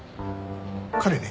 彼ね